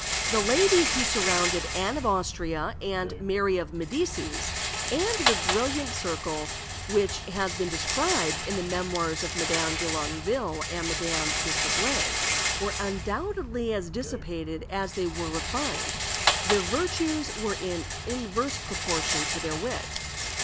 The ladies who surrounded Anne of Austria and Mary of Medicis, and that brilliant circle which has been described in the Memoirs of Madame de Longueville and Madame de Sablé, were undoubtedly as dissipated as they were refined; their virtues were in inverse proportion to their wit.